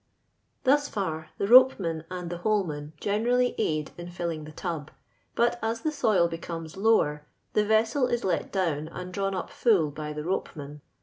Thus far, the ropeman and theholemon gene rally aid in lllling tlie tub, but as the soil becomes lower, the vessel is lot down and drawn up full by the ropeman.